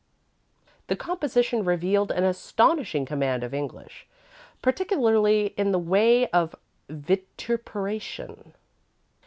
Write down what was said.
The composition revealed an astonishing command of English, particularly in the way of vituperation.